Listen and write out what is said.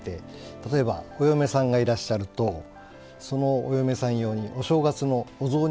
例えばお嫁さんがいらっしゃるとそのお嫁さん用にお正月のお雑煮椀をあつらわれます。